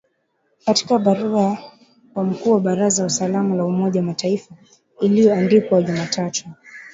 Katika barua kwa mkuu wa Baraza la Usalama la Umoja wa Mataifa iliyoandikwa Jumatatu